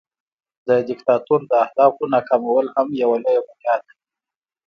د دیکتاتور د اهدافو ناکامول هم یوه لویه بریا ده.